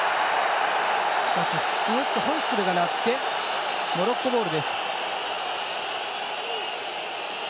しかし、ホイッスルが鳴ってモロッコボールです。